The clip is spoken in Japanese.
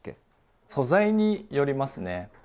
素材によりますね。